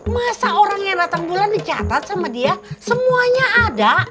masa orang yang datang bulan dicatat sama dia semuanya ada